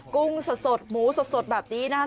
กุ้งสดหมูสดแบบนี้นะครับ